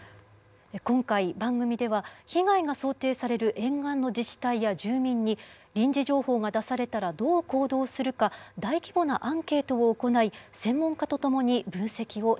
今回番組では被害が想定される沿岸の自治体や住民に臨時情報が出されたらどう行動するか大規模なアンケートを行い専門家と共に分析をしました。